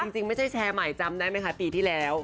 จริงไม่ใช่แชร์ใหม่จำได้ไหมคะปีที่แล้ว